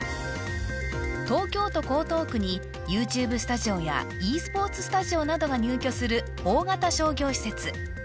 東京都江東区にＹｏｕＴｕｂｅスタジオやｅスポーツスタジオなどが入居する大型商業施設